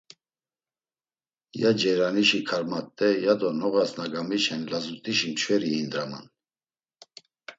Ya ceryanişi karmat̆e ya do noğas na gamiçen lazut̆işi mçveri iyindraman.